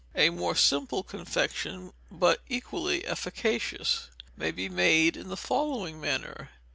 A more simple confection, but equally efficacious, may be made in the following manner.